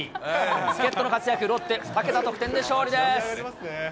助っ人の活躍、ロッテ、２桁得点で勝利です。